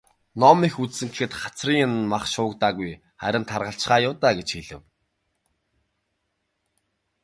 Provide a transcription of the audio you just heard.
"Ном их үзсэн гэхэд хацрын нь мах шуугдаагүй, харин таргалчихаа юу даа" гэж хэлэв.